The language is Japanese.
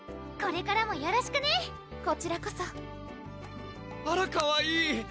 これからもよろしくねこちらこそあらかわいい